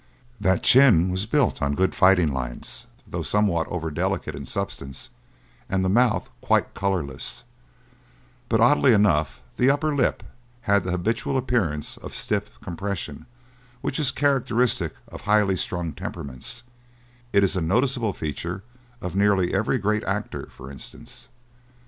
That chin was built on good fighting lines, though somewhat over delicate in substance and the mouth quite colourless, but oddly enough the upper lip had that habitual appearance of stiff compression which is characteristic of highly strung temperaments; it is a noticeable feature of nearly every great actor, for instance.